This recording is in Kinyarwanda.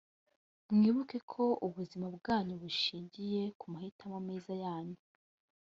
mwibuke ko ubuzima bwanyu bushingiye ku mahitamo meza yanyu